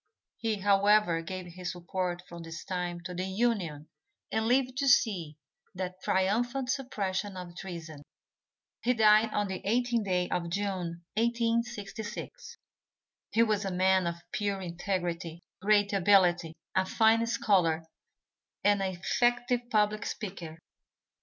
He, however, gave his support from this time to the Union and lived to see that triumphant suppression of treason. He died on the 18th day of June, 1866. He was a man of pure integrity, great ability, a fine scholar and an effective public speaker.